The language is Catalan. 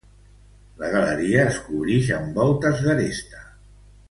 La galeria es cobrix amb voltes d'aresta.